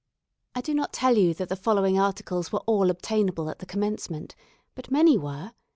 I do not tell you that the following articles were all obtainable at the commencement, but many were.